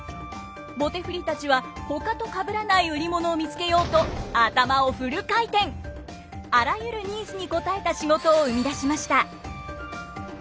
棒手振たちはほかとかぶらない売り物を見つけようとあらゆるニーズに応えた仕事を生み出しました。